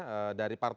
dari partai politik